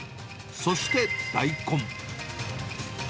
そして大根。